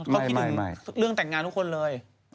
เขาคิดถึงเรื่องแต่งงานทุกคนเลย